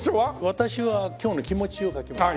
私は今日の気持ちを書きました。